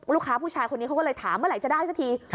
ลูกค้าผู้ชายคนนี้ก็เลยถามเมื่อไหร่จะได้สักที